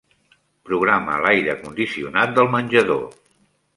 Programa l'aire condicionat del menjador.